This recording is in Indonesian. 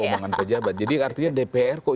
pengembangan pejabat jadi artinya dpr kok